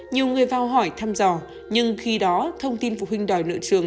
nhiều người vào hỏi thăm dò nhưng khi đó thông tin phụ huynh đòi nợ trường